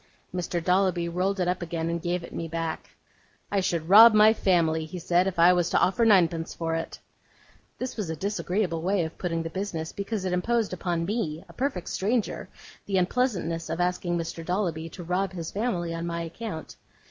Mr. Dolloby rolled it up again, and gave it me back. 'I should rob my family,' he said, 'if I was to offer ninepence for it.' This was a disagreeable way of putting the business; because it imposed upon me, a perfect stranger, the unpleasantness of asking Mr. Dolloby to rob his family on my account.